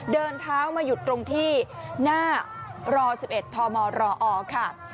เดินเท้ามาหยุดตรงที่หน้าร๑๑ทมรอค่ะ